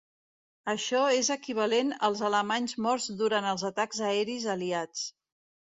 Això és equivalent als alemanys morts durant els atacs aeris aliats.